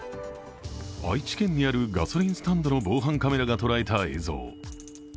愛知県にあるガソリンスタンドの防犯カメラが捉えた映像。